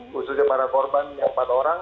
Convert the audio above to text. khususnya para korban yang empat orang